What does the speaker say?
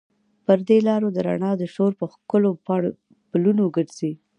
پر دې لارو د رڼا د شور، په ښکلو پلونو ګرزي